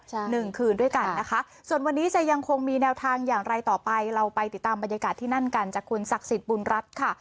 ใช่หนึ่งคืนด้วยกันนะคะส่วนวันนี้จะยังคงมีแนวทางอย่างไรต่อไปเราไปติดตามบรรยากาศที่นั่นกันจากคุณศักดิ์สิทธิ์บุญรัฐค่ะ